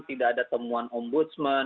tidak ada temuan ombudsman